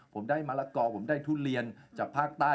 ผมได้มะละกอผมได้ทุเรียนจากภาคใต้